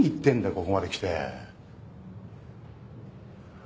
ここまで来て。